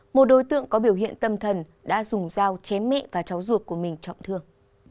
một đối tượng có biểu hiện tâm thần đã dùng dao chém mẹ và cháu ruột của mình trọng thương